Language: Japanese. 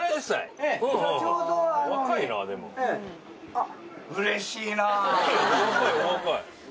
あっ。